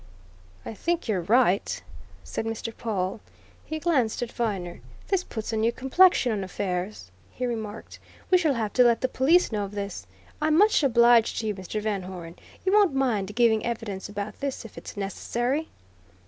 "I think you're right," said Mr. Pawle. He glanced at Viner. "This puts a new complexion on affairs," he remarked. "We shall have to let the police know of this. I'm much obliged to you, Mr. Van Hoeren. You won't mind giving evidence about this if it's necessary?"